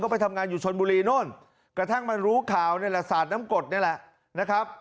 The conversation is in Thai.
เขาไปทำงานอยู่ชนบุรีนั่นกระทั่งมันรู้ข่าวสาธน้ำกดนี่แหละ